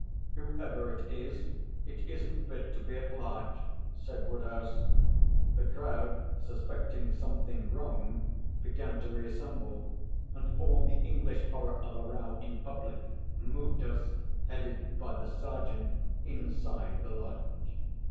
'Whoever it is, it isn't fit to be at large,' said Woodhouse. The crowd suspecting something wrong began to reassemble, and all the English horror of a row in public moved us, headed by the sergeant, inside the lodge.